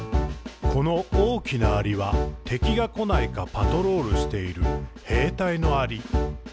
「この大きなアリは、敵がこないか、パトロールしている兵隊のアリ。」